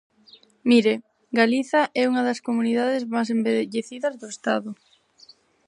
Mire, Galiza é unha das comunidades máis envellecidas do Estado.